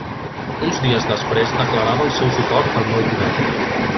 Uns dies després declarava el seu suport al nou govern.